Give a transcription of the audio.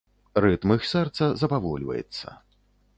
Рытм іх сэрца запавольваецца.